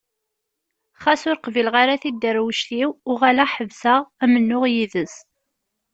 Xas ur qbileɣ ara tidderwect-iw uɣaleɣ ḥebseɣ amennuɣ yid-s.